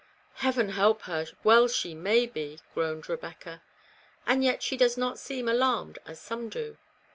" Heaven help her, well she may be," groaned Rebecca. " And yet she does not seem alarmed as some do."